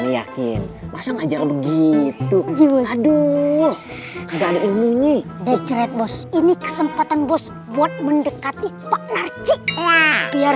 yakin masa ngajar begitu aduh ini bos ini kesempatan bos buat mendekati pak narji biar